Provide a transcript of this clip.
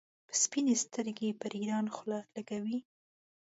په سپین سترګۍ پر ایران خوله لګوي.